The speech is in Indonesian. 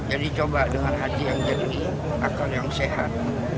jadi coba dengan hati yang jadi akal yang sehat